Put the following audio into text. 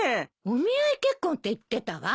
お見合い結婚って言ってたわ。